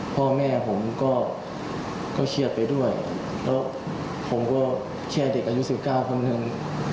พ่อแม่ผมก็เชียร์ไปด้วยแล้วผมก็เชียร์เด็กอายุสิบเก้าคนหนึ่ง